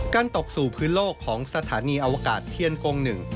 ตกสู่พื้นโลกของสถานีอวกาศเทียนกงหนึ่ง